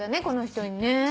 この人にね。